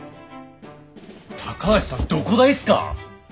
高橋さんどこ大っすか？